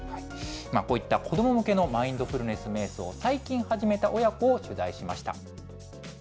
こういった子ども向けのマインドフルネスめい想、最近始めた親子を取材しました。